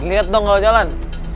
liat dong kalo jalan